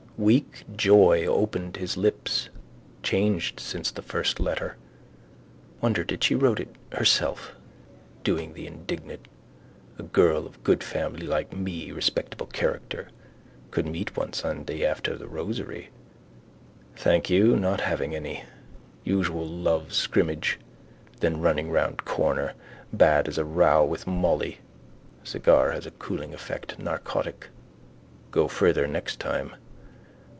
Weak joy opened his lips. Changed since the first letter. Wonder did she wrote it herself. Doing the indignant: a girl of good family like me, respectable character. Could meet one Sunday after the rosary. Thank you: not having any. Usual love scrimmage. Then running round corners. Bad as a row with Molly. Cigar has a cooling effect. Narcotic. Go further next time.